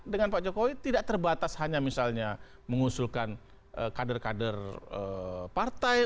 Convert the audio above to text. dengan pak jokowi tidak terbatas hanya misalnya mengusulkan kader kader partai